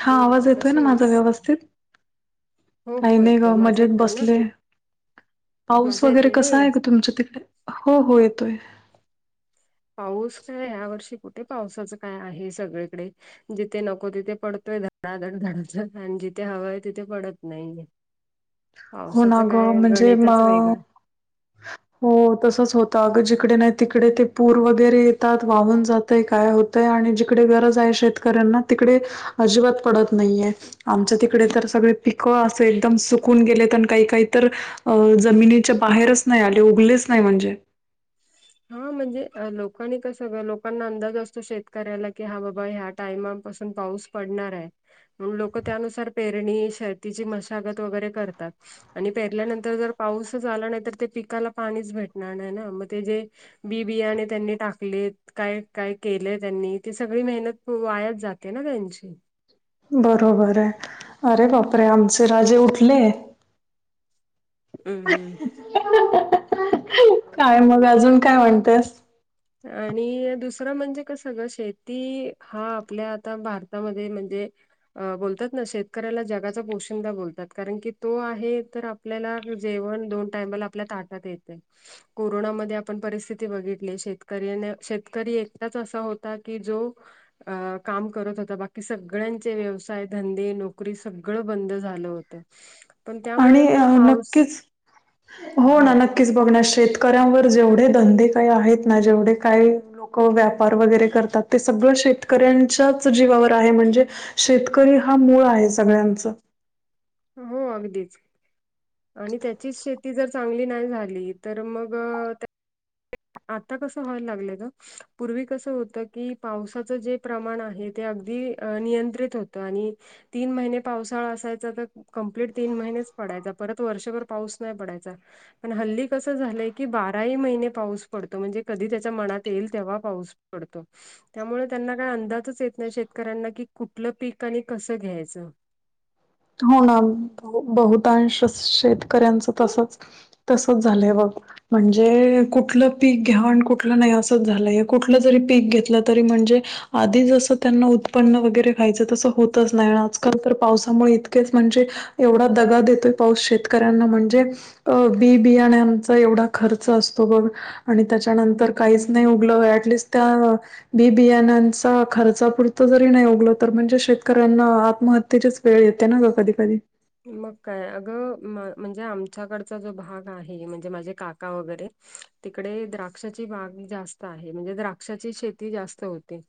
हा बोल ग आवाज येतोय ना कशी माझा आहेस? व्यवस्थित? हो काही हो नाही ग येतोय माझा मजेत येतोय ना बसले. पाऊस माझा वगैरे येतोय ना कसा आहे ग व्यवस्थित. तुमच्या तिकडे हो, हो येतोय. पाऊस काय या वर्षी कुठे पावसाचं काय आहे सगळीकडे जिथे नको तिथे पडतोय धडाधड, धडा आणि जिथे हवा आहे तिथे पडत नाहीये. होना पावसाचं काय गं म्हणजे म गणितच वेगळं हो तसंच होतं अगं जिकडे नाही तिकडे ते पूर वगैरे येतात वाहून जात काय होतय आणि जिकडे गरज आहे शेतकऱ्यांना तिकडे अजिबात पडत नाहीये. आमच्या तिकडे तर सगळे पिकं असे एकदम सुकून गेले. प काही काही तर अ जमिनीच्या बाहेरच नाही आले उगलेच नाही म्हणजे. हा म्हणजे लोकांनी कसं लोकांना अंदाज असतो शेतकऱ्याला की हा बाबा ह्या टायमापासून पाऊस पडणार आहे. लोक त्यानुसार पेरणी शर्तीची मशागत वगैरे करतात. आणि पेरल्यानंतर जर पाऊसच आला नाही तर ते पिकाला पाणीच भेटणार नाही ना मग ते जे बी बियाने त्यांनी टाकले. काय काय केलंय त्यांनी ती सगळी मेहनत वायात जाते ना त्यांची. बरोबर आहे अरे बापरे आमचे राजे उठले. हम्म हम्म. काय मग अजून काय म्हणतेस. आणि दुसरं म्हणजे कसं ग शेती हा आपल्या आता भारतामध्ये म्हणजे अ बोलतात ना शेतकऱ्याला जगाचा पोषंदा बोलतात कारण की तो आहे तर आपल्याला जेवण दोन टाइमाला आपल्या ताटात येते. कोरोनामध्ये आपण परिस्थिती बघितली शेत. शेतकरीने शेतकरी एकटाच असा होता की जो अ काम करत होता बाकी सगळ्यांचे व्यवसाय धंदे नोकरी सगळं बंद झालं होतं. पण आणि त्यामुळे मग पाऊस नक्कीच हो हा ना न नक्कीच बघणार शेतकऱ्यांवर जेवढे धंदे काही आहेत ना जेवढे काय लोक व्यापार वगैरे करतात ते सगळं शेतकऱ्यांच्याच जीवावर आहे म्हणजे,, शेतकरी हा मूळ आहे सगळ्यांच. हो अगदीच आणि त्याचीच शेती. ती जर चांगली नाही झाली तर मग आता कसं व्हायला लागलं त. पूर्वी कस होतं की पावसाचं जे प्रमाण आहे ते अगदी नियंत्रित होत आणि तीन महिने पावसाळा असायचा तर. कंप्लीट तीन महिनेच पडायचा परत वर्षभर पाऊस नाही पडायचा पण हल्ली कसं झालंय की बाराही महिने पाऊस पडतो म्हणजे कधी त्याच्या मनात येईल तेव्हा पाऊस पडतो त्यामुळे त्यांना काय अंदाजच येत नाही शेतकऱ्यांना की कुठलं पीक आणि कसं घ्यायचं होणार बहुतांश शेतकऱ्यांचं तसच तसच झालं ब म्हणजे कुठलं पीक घेवाण कुठलं नाही असंच झालंय कुठलं जरी पीक घेतलं तरी म्हणजे,, आधी जसं त्यांना उत्पन्न वगैरे खायचं तसं होतच नाही आजकाल तर पावसामुळे इं म्हणजे एवढा दगा देतोय पाऊस शेतकऱ्यांना म्हणजे, अ बी बियाण्याचा एवढा खर्च असतो बघ. आणि त्याच्यानंतर काहीच नाही उघल ऍटलिस्ट त्या बि बियानाचा खर्चापुरत जरी नाही उगल तर म्हणजे शेतकऱ्यांना आत्महत्येचीच वेळ येत. त्या न गं कधी कधी. मग काय अगं म्हणजे आमच्याकडचा जो भाग आहे म्हणजे माझे काका वगैरे तिकडे द्राक्षाची बाग जास्त आहे म्हणजे द्राक्षाची शेती जास्त होते.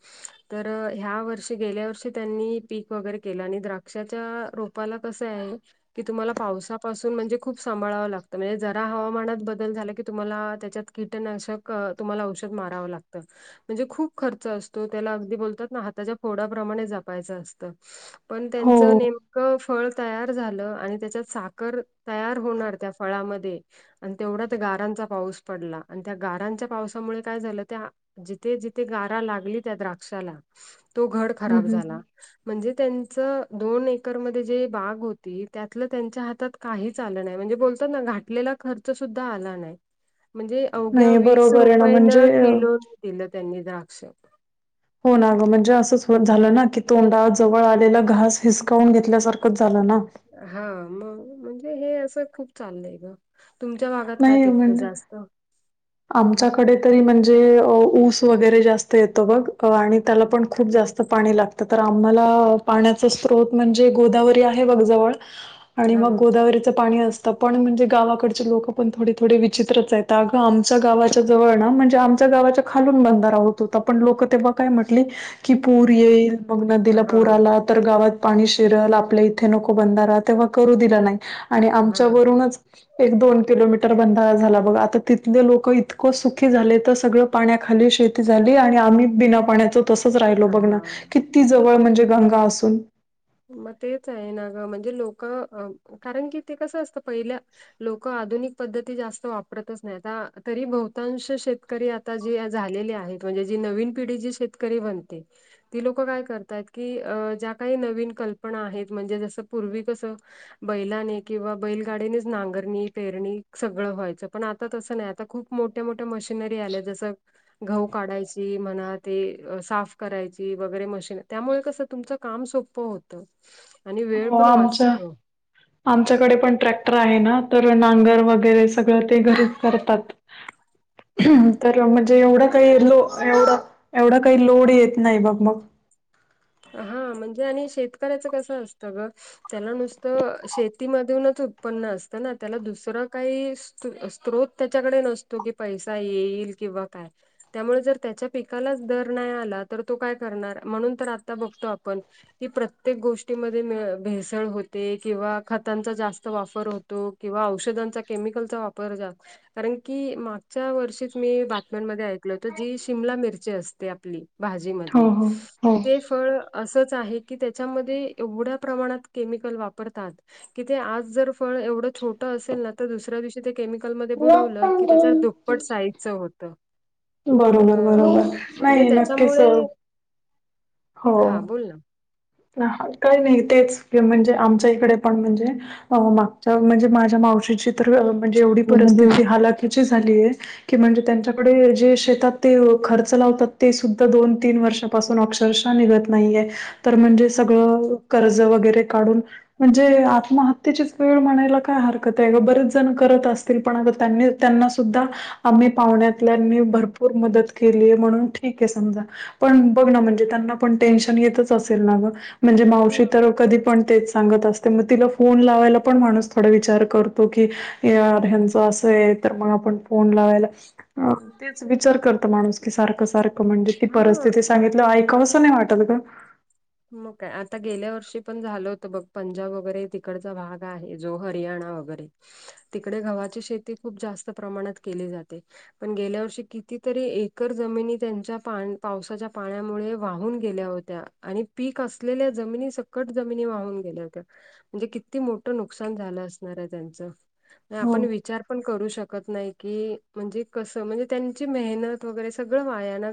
तर ह्या वर्षी गेल्या वर्षी त्यांनी पीक वगैरे केलं आणि द्राक्षाच्या रोपाला कसं आहे की तुम्हाला पावसापासून म्हणजे खूप सांभाळावं लागतं म्हणजे जरा हवामानात बदल झाला की तुम्हाला त्याच्यात कीटनाशक तुम्हाला औषध मारावं लागतं म्हणजे खूप खर्च असतो त्याला अगदी बोलतात ना हाताच्या फोडाप्रमाणे जपायचं असतं पण हो. त्यांचं नेमकं फळ तयार झालं आणि त्याच्यात साखर तयार होणार त्या फळामध्ये आणि तेवढाच गारांचा पाऊस पडला आणि त्या गारांच्या पावसामुळे काय झालं त्या जिथे जिथे गारा लागली त्या द्राक्षाला तो घड हं खराब हं झाला म्हणजे त्यांच दोन एकर मध्ये ते जे बाग होती त्यातल त्यांच्या हातात काहीच आल नाही म्हणजे बोलतो न घातलेल खर्च सुद्धा आला नाही म्हणजे अवघ्या नाही वीस बरोबर आहे ना रुपयेन म्हणजे किलो दिलं त्यांनी द्राक्ष [inaudible] हो ना गं म्हणजे असंच झालं ना की तोंडा जवळ आलेलं घास हिसकावून घेतल्यासारखंच झालं ना हा मग म्हणजे हे असं खूप चाललंय ग तुमच्या भागात काय नाही पिकतं म्हणजे जास्त आमच्याकडे तरी म्हणजे ऊस वगैरे जास्त येतो बघ आणि त्याला पण खूप जास्त पाणी लागत तर आम्हाला पाण्याचा स्रोत म्हणजे गोदावरी आहे बघ जवळ आणि हा मग गोदावरीचं पाणी असतं पण म्हणजे गावाकडचे लोक पण थोडे थोडे विचित्रच आहेत अगं आम आमच्या गावाच्या जवळ ना म्हणजे आमच्या गावाच्या खालून बंधारा होत होता पण लोक तेव्हा काय म्हटली की पूर येईल मग नदीला हा पूर आला तर गावात पाणी शिरल आपल्या इथे नको बंधारा तेव्हा करू दिला नाही आणि हा आमच्यावरूनच एक दोन किलोमीटर बंधारा झाला बघ आता ति लोक इतकं सुखी झाले तर सगळं पाण्याखाली शेती झाली आणि आम्ही बिना पाण्याच तसच राहिलो बघ ना किती हा. जवळ म्हणजे गंगा असून मग तेच आहे ना ग म्हणजे लोक कारण की ते कसं असतं पहिल्या लोक आधुनिक पद्धती जास्त वापरतच नाही आ तरी बहुतांश शेतकरी आता जी झालेली आहेत म्हणजे जी नवीन पिढी जी शेतकरी बनते ती लोक काय करतय की अ ज्या काही नवीन कल्पना आहेत म्हणजे जस पूर्वी कसं बैलाने किंवा बैलगाडीनेच नांगरणी पेरणी सगळं व्हायचं पण आता तसं नाही आता खूप मोठ्या मोठ्या मशिनरी आल्या जसं गहू काढायची म्हणा ते साफ करायची वगैरे मशीन त्यामुळे कसं तुमच काम सोपं होत हो आमच्या आमच्याकडे पण ट्रॅक्टर आहे ना तर नांगर वगैरे सगळं ते घरीच करतात. [inaudible] तर म्हणजे एवढा काही लो एवढा एवढा काही लोड येत नाही बघ मग. हा म्हणजे आणि शेतकऱ्याचं कसं असतं ग त्याला नुसतं शेतीमधूनच उत्पन्न असतं ना त्याला दुसरं काही स्त्रोत त्याच्याकडे नसतो की पैसा येईल किंवा काय त्यामुळे जर त्याच्या पिकालाच दर नाही आला तर तो काय करणार म्हणून तर आता बघतो आपण ही प्रत्येक गोष्टीमध्ये भेसळ होते किंवा खतांचा जास्त वापर हो तो किंवा औषधांचा केमिकलचा वापर जास्त कारण की मागच्या वर्षीच मी बातम्यांमध्ये ऐकल होत जी शिमला मिरची असते आपली हो भाजीमधली हो ते फळ असंच आहे की त्याच्यामध्ये एवढ्या प्रमाणात केमिकल वापरतात कि ते आज जर फळ एवढं छोटं असेल ना तर दुसऱ्या दिवशी ते केमिकलमध्ये हो बुडवलं की त्याच्यावर दुप्पट साईजच होतं तर बरोबर बरोबर म्हणजे नाही नक्कीच त्याच्यामुळे हो हा बोल ना काही नाही तेच म्हणजे आमच्या इकडे पण म्हणजे माग म्हणजे माझ्या मावशीची तर म्हणजे एवढी म्हणजे परिस्थिती हालाखीची झाली आहे की म्हणजे त्यांच्याकडे जे शेतात ते खर्च लावतात ते सुद्धा दोन तीन वर्ष पाून अक्षरशः निघत नाहीये तर म्हणजे सगळं कर्ज वगैरे काढून म्हणजे आत्महत्येचीच वेळ म्हणायला काय हरकत आहे ग बरेच जण करत असत. पणग त्यांनी त्यांना सुद्धा आम्ही पाहुण्यातल्यानी भरपूर मदत केलीय म्हणून ठीक आहे समजा पण बघ ना म्हणजे त्यांना पण टेन्शन येतच म्हणजे हा मावशी तर कधी पण तेच सांगत मग तिला फोन लावायला पण माणूस थोडा विचार करतो की यार ह्यांचं असं आहे तर मग आपण फोन लावायला तेच विचार करत माणूस कि सारखं सारखं म्हणजे ती हा परतते सांगितलं ऐकसं नाही वाटल ग मग काय आता गेल्या वर्षी पण झाल होतं बघ पंजाब वगैरे तिकडचा भाग आहे जो हरियाणा वगैर तिकडे गव्हाची शेती खूप जास्त प्रमाणात केली जाते पण गेल्या वर्षी कितीतरी एकर जमिनी त्यांच्या पा पावसाच्या पाण्यामुळे वाहून गेल्या होत्या त्या आणि पीक असलेल्या जमिनी सकट जमिनी वाहून गेल्या होत्या म्हणजे किती मोठ नुकसान झालं असणार आहे त्यांच हो. आपण विचार ण करू शकत नाही क म्हणजे क म्हणजे त्यां मेहनत वगैरे सगळ वायान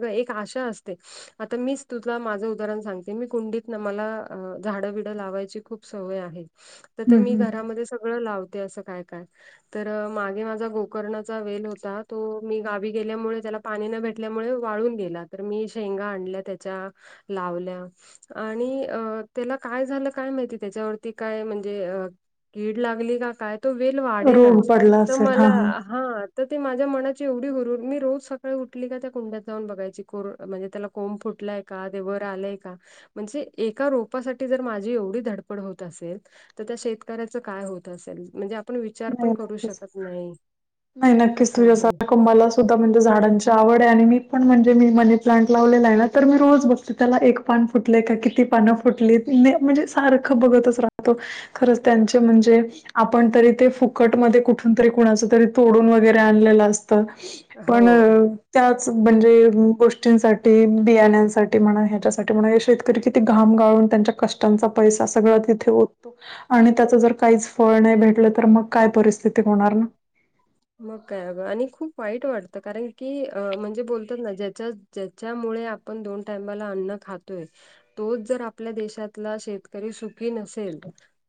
आता मीच तु माझं उण सांग ते मी कुंडीत मला झाडं बिडं लावायची खूप सवय आहे तर तर हं, मी हं. घरामध्ये सगळं लावते असं काय काय तर मागे माझा गोकर्णाचा वेल होता तो मी गावी गेल्यामुळे त्याला पाणी न भेटल्यामुळे वाळून गेला तर मी शेंगा आणल्या त्याच्या लावल्या आणि अ त्याला काय झालं काय माहिती त्याच्यावरती काय म्हणजे अ कीड लागली का काय तो वेल वाढे रोग नाच पडला तर असेल. मला हां, हां. हा तर ते माझ्या मनाची एवढी गुरर मी रोज सकाळी उठली का त्या कुंड्यात जाऊन बघायची कोर म्हणजे त्याला कोंब फुटलाय का ते वर आलंय का म्हणजे एका रोपासाठी जर माझी एवढी धडपड होत असेल तर त्या शेतकऱ्याच काय होत असेल म्हणजे आपण विचार नाही पण करू नक्कीच. शकत नाही नाही नक्कीच असं आहे तुझ्यासारखं मला सुद्धा म्हणजे झाडांची आवड आहे आणि मी पण म्हणजे मी मनी प्लांट लावलेला आहे ना तर मी रोज बघते त्याला एक पान फुटलय का किती पानं फुटलीत म्हणजे सारखं बघतच राहतो. खरच त्यांचे म्हणजे आपण तरी ते फुक - फुकट मध्ये कुठून तरी कुणाच तरी तोडून वगैरे आणलेलं असत. पण- हो. त्याच म्हणजे गोष्टींसाठी बियाण्यांसाठी म्हणा, ह्याच्यासाठी म्हणा, शेत शेतकरी किती घाम गाळून त्यांच्या कष्टांचा पैसा सगळा तिथे ओतून - आणि त्याच जर काहीच फळ नाही भेटलं तर मग काय परिस्थिती होणार ना मग काय अगं आणि खूप वाईट वाटतं कारण की अ म्हणजे बोलतात ना ज्याच्या ज्याच्यामुळे आपण दोन टायमाला अन्न खातोय तोच जर आपल्या देशातला शेत सुी न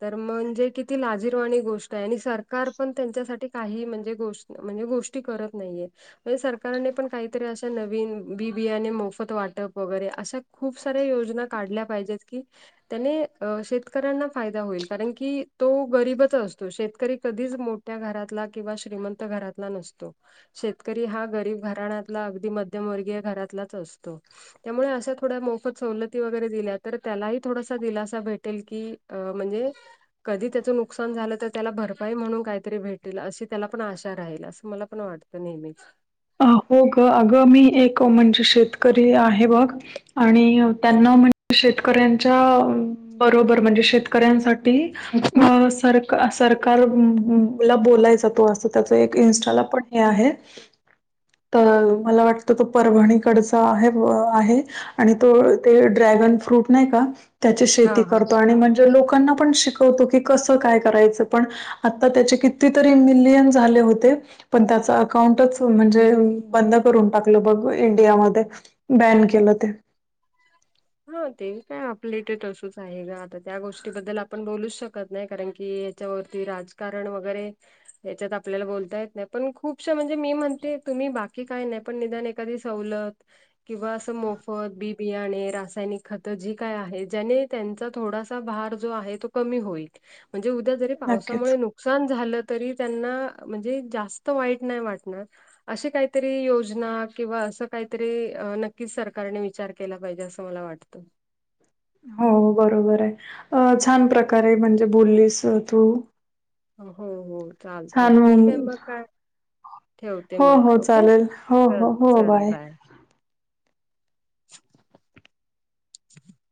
तर म्हणजे क लाजीरवाणी गोष्ट आहे आणि सरकार पण त्यांच्यासाठी काही म्हणजे गोष्ट म्हणजे गोष्टी करत नाहीय म्हणजे सरकारने पण काहीतरी अशा नवीन बी बियाने मोफत वाटप वगैरे अशा खूप साऱ्या योजना काढल्या पाहिजेत की त्याने शेतकऱ्यांना फायदा होईल कारण की तो गरीबच असतो शेतकरी कधीच मो त्या घरातला किंवा श्रीमंत घरातला नसतो शेतकरी हा गरीब घराण्यातला अगदी मध्यमवर्गीय घरातलाच असतो त्यामुळे अशा थोड्या मोफत सवलती वगैरे दिल्या तर त्यालाही थोडासा दिलासा भेटेल की अ म्हणजे कधी त्याचं नुकसान झालं तर त्याला भरपाई म्हणून काहीतरी भेटेल अशी त्याला पण आश राहील असं मला पण वाटतं नेहमीच. हो ग अगं मी एक म्हणजे शेतकरी आहे बघ. आणि त्यांना म्हणजे शेतकऱ्यांच्या बरोबर म्हणजे शेतकऱ्यांसाठी- ती, अ सर - सरकार ला बोलायचा तो असं त्याच एक इनस्टाला पण हे आहे. तर मला वाटतं तो परभणीकडचा आहे, आहे. आणि तो ते ड्रॅगन फ्रूट नाही का, त्याची हा शेती हा. करतो आणि मग- जे लोकांना पण शिकवतो की कस काय करायचं पण आता त्याचे कितीतरी मिलियन झाले होते पण त्याचा अकाउंटच म्हणजे बंद करून टाकलं. बघ इंडियामध्ये बॅन केलं ते हा ते काय आपल्या इथ तसच आहे ग. आता त्या गोष्टीबद्दल आपण बोलूच शकत नाय, कारण की - त्याच्यावरती राजकारण वगैरे याच्यात आपल्याला बोलता येत नाय पण खूपशा म्हणजे मी म्हणते तुम्ही बाकी काय नाय पण निदान एक - तरी सवलत, किंवा अस मोफत बि-बियाणे, रास त्यानी खत जी काय आहे. ज्यानी त्यांचा थोडासा भार जो आहे तो कमी होईल. म्हणजे उद्या जरी पावसामुळ नक्कीच नुक नुकसान झालं तरी त्यांना म्हणजे जास्त वाईट नाय वाटणार. अशे कायतरी योजना किंवा असं कायतरी नक्कीच सरकारने विचार केला पाहिजे. अस स मला वाटतं. हो बरोबर ये. अ छान प्रकारे म्हणजे बोललीस अ तू हो, हो चालतेय छान ठीक ये मग काय- ठेवते हो मग हो ओके. चालेल हो हो चल, हो चल बाय. [unintelligible]